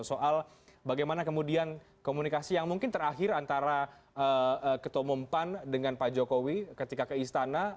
soal bagaimana kemudian komunikasi yang mungkin terakhir antara ketua umum pan dengan pak jokowi ketika ke istana